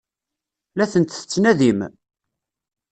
La tent-tettnadim?